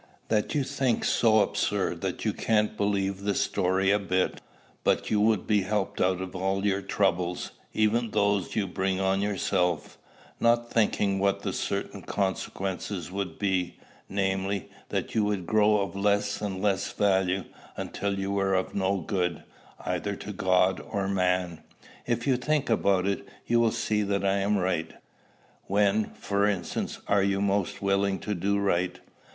That you think so absurd that you can't believe the story a bit; but you would be helped out of all your troubles, even those you bring on yourselves, not thinking what the certain consequence would be, namely, that you would grow of less and less value, until you were of no good, either to God or man. If you think about it, you will see that I am right. When, for instance, are you most willing to do right?